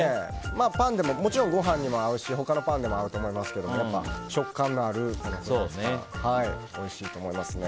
パンでももちろんご飯にも合うし他のパンでも合うと思いますけど食感のあるフランスパンがおいしいと思いますね。